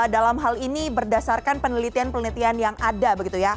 dalam hal ini berdasarkan penelitian penelitian yang ada begitu ya